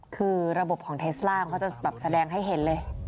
คือระบบของเทสล่ามเขาจะแบบแสดงให้เห็นเลย